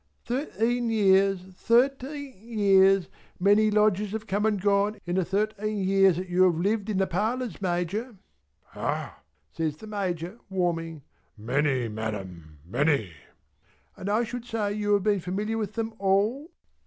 "Thirteen years! Thir teen years! Many Lodgers have come and gone, in the thirteen years that you have lived in the parlours Major." "Hah!" says the Major warming. "Many Madam, many." "And I should say you have been familiar with them all?"